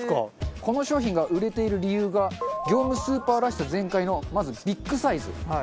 この商品が売れている理由が業務スーパーらしさ全開のまずビッグサイズ。